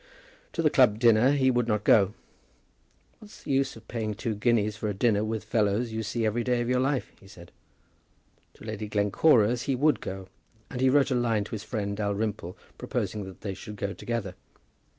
To the club dinner he would not go. "What's the use of paying two guineas for a dinner with fellows you see every day of your life?" he said. To Lady Glencora's he would go, and he wrote a line to his friend Dalrymple proposing that they should go together.